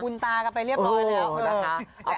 คุณตากลับไปเรียบร้อยแล้ว